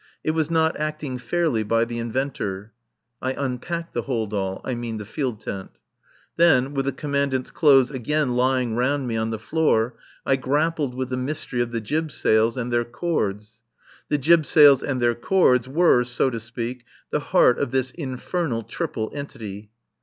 It was not acting fairly by the inventor. I unpacked the hold all, I mean the field tent. Then, with the Commandant's clothes again lying round me on the floor, I grappled with the mystery of the jib sails and their cords. The jib sails and their cords were, so to speak, the heart of this infernal triple entity.